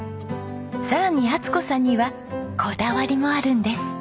さらに充子さんにはこだわりもあるんです。